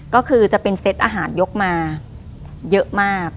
ก็คือจะเป็นเซตอาหารยกมาเยอะมาก